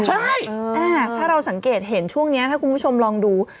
ใช่ถ้าเราสังเกตเห็นช่วงนี้ถ้าคุณผู้ชมลองดู